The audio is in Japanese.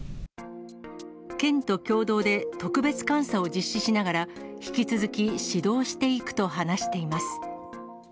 県と共同で特別監査を実施しながら、引き続き指導していくと話しています。